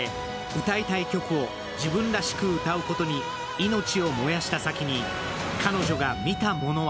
歌いたい曲を自分らしく歌うことに命を燃やした先に、彼女が見たものは